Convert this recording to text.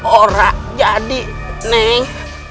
orang jadi neng